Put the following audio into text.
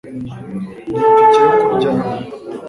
ni itike yo kurya hano